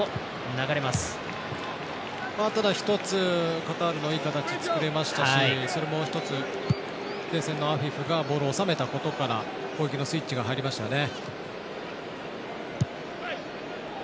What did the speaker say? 一つ、カタールのいい形を作れましたしそれも一つ、前線のアフィフがボールを収めたことから攻撃のスイッチが入りましたね。